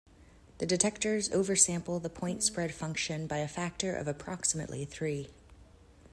The detectors oversample the point-spread-function by a factor of approximately three.